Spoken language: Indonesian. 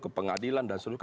ke pengadilan dan sebagainya